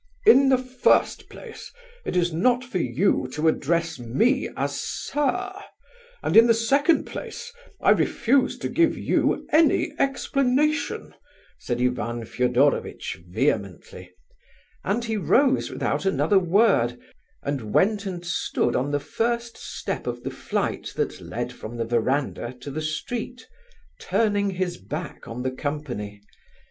"In the first place, it is not for you to address me as 'sir,' and, in the second place, I refuse to give you any explanation," said Ivan Fedorovitch vehemently; and he rose without another word, and went and stood on the first step of the flight that led from the verandah to the street, turning his back on the company.